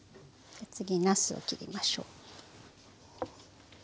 次なすを切りましょう。